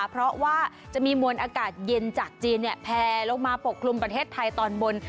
เพราะว่าจะมีมวลอากาศเย็นจากจีนแพลลงมาปกคลุมประเทศไทยตอนบน